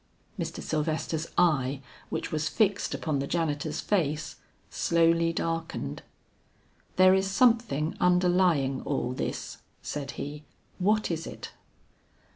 Mr. Sylvester's eye which was fixed upon the janitor's face, slowly darkened. "There is something underlying all this," said he, "what is it?"